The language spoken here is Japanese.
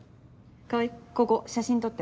川合ここ写真撮って。